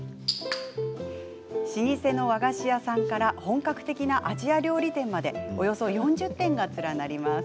老舗の和菓子屋さんから本格的なアジア料理店までおよそ４０店が連なります。